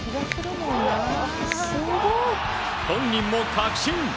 本人も確信。